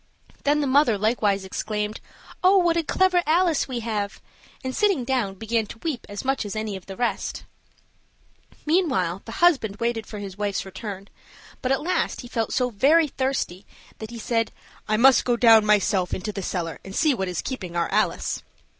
Then the mother likewise exclaimed, "Oh, what a clever Alice we have!" and, sitting down, began to weep as much as any of the rest. Meanwhile the husband waited for his wife's return; but at last he felt so very thirsty that he said, "I must go myself down into the cellar and see what is keeping our Alice."